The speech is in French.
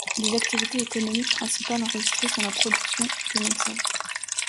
Les activités économiques principales enregistrées sont la production de mezcal.